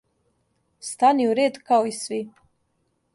Стани у ред као и сви!